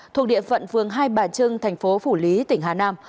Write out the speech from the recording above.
thuộc địa phận phường hai bà trưng thành phố phủ lý tỉnh hà nam